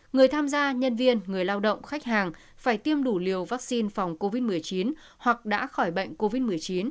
người tham gia nhân viên người lao động khách hàng phải tiêm đủ liều vaccine phòng covid một mươi chín hoặc đã khỏi bệnh covid một mươi chín